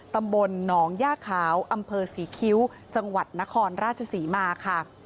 ตำบลหนองย่าขาวอำเภอศรีคิ้วจังหวัดนครราชศรีมาค่ะ